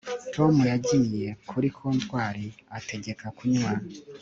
Tom yagiye kuri comptoir ategeka kunywa